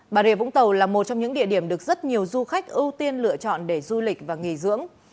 bà rịa vũng tàu là một trong những địa điểm được rất nhiều du khách ưu tiên lựa chọn để du lịch và nghỉ dưỡng